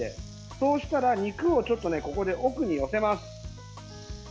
そうしたら肉をここで奥に寄せます。